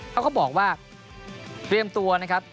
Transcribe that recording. เขาก็บอกว่าเตรียมตัวนะครับ